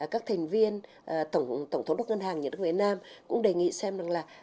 các thành viên tổng thống đốc ngân hàng nhà nước việt nam cũng đề nghị xem là